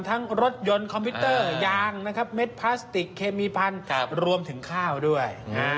รถยนต์คอมพิวเตอร์ยางนะครับเม็ดพลาสติกเคมีพันธุ์รวมถึงข้าวด้วย